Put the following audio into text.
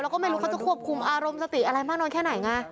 แล้วก็ไม่รู้เขาจะควบคุมอารมณ์สติอะไรมากน้อยแค่ไหนไง